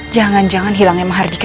jangan jangan hilangnya mardika